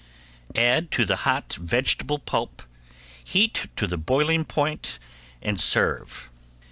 Add to the hot vegetable pulp, heat to the boiling point, and serve.